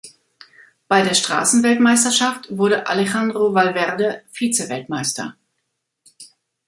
Bei der Straßenweltmeisterschaft wurde Alejandro Valverde Vizeweltmeister.